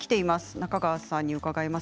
中川さんに伺います。